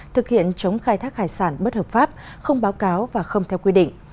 thực hiện chống khai thác hải sản bất hợp pháp không báo cáo và không theo quy định